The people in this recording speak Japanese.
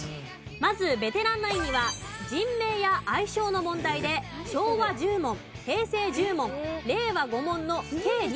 まずベテランナインには人名や愛称の問題で昭和１０問平成１０問令和５問の計２５問を出題。